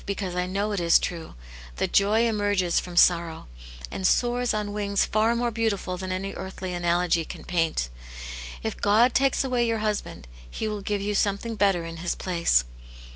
149 because I know it is true, that joy emerges from sorrow, and soars on wings far more beautiful than any earthly analogy can paint. If God takes away your husband, He will give you something better in his place."